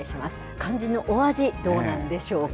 肝心のお味、どうなんでしょうか。